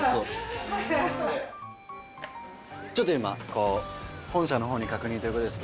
ちょっと今本社の方に確認ということですけど。